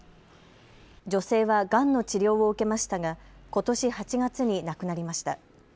女性はがんの治療を受けましたがことし８月に亡くなりました。